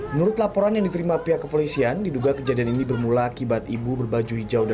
menurut laporan yang diterima pihak kepolisian diduga kejadian ini bermula akibat ibu berbaju hijau